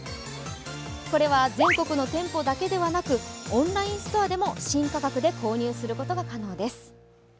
これは全国の店舗だけではなくオンラインストアでも新価格で購入することが可能です。